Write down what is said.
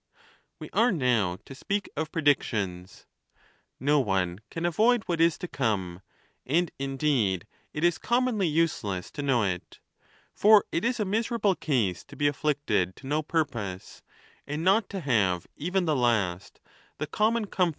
We are now to speak of predictions. No one can avoid what is to come, and, indeed, it is commonly useless to know it; for it is a miserable case to be afflicted to no purpose, and not to have even the last, the common com ' Some passages of the original are here wanting.